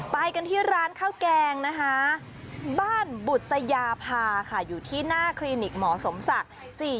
ไปกันที่ร้านข้าวแกงนะคะบ้านบุษยาภาค่ะอยู่ที่หน้าคลินิกหมอสมศักดิ์